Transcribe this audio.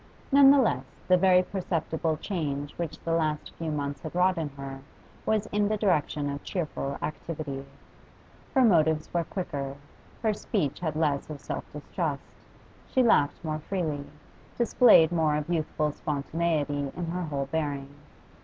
None the less, the very perceptible change which the last few months had wrought in her was in the direction of cheerful activity; her motives were quicker, her speech had less of self distrust, she laughed more freely, displayed more of youthful spontaneity in her whole bearing.